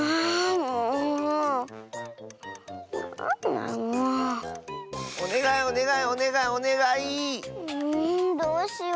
もうどうしよう。